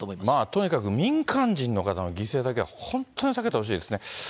とにかく民間人の犠牲だけは、本当に避けてほしいですね。